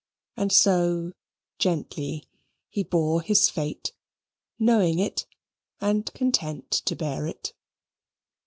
And so, gently, he bore his fate, knowing it, and content to bear it.